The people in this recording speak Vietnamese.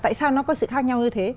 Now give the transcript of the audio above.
tại sao nó có sự khác nhau như thế